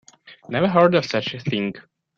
Never heard of such a thing.